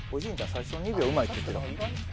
最初の２秒うまいっつってたもん